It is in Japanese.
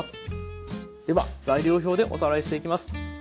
では材料表でおさらいしていきます。